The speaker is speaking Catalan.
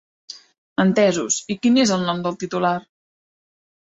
Entesos, i quin és el nom del titular?